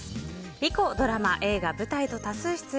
以降ドラマ、映画、舞台と多数出演。